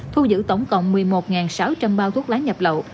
thu giữ tổng cộng một mươi một sáu trăm linh bao thuốc lá nhập lậu